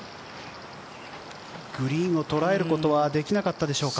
グリーンを捉えることはできなかったでしょうか。